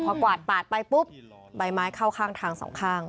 พอกวาดปาดไปปุ๊บใบไม้เข้าข้างทางสองข้าง